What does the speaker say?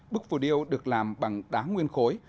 bức phủ điêu được làm bằng đá nguyên khối